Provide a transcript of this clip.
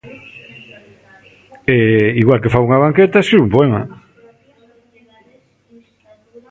E igual que fago unha banqueta, escribo un poema.